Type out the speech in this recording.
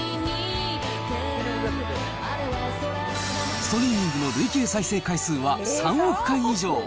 ストリーミングの累計再生回数は３億回以上。